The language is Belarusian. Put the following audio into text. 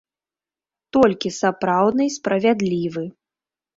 Толькі сапраўдны і справядлівы.